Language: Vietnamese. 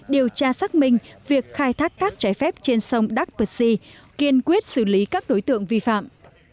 điều tra xác minh việc khai thác cát trái phép trên sông đắk xi kiên quyết xử lý các đối tượng vi phạm